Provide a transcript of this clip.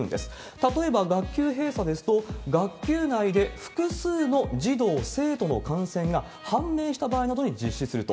例えば学級閉鎖ですと、学級内で複数の児童・生徒の感染が判明した場合などに実施すると。